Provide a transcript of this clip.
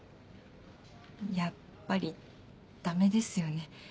やっぱりダメですよね。